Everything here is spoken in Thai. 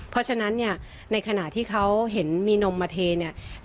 เพราะฉะนั้นเนี่ยในขณะที่เขาเห็นมีนมมาเทเนี่ย